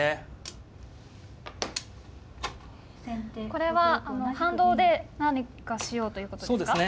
これは反動で何かしようということですか。